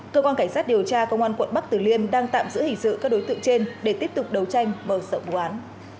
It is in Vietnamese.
cơ quan cảnh sát điều tra công an quận bắc tử liêm đang tạm giữ hình sự các đối tượng trên để tiếp tục đấu tranh bầu sợ quán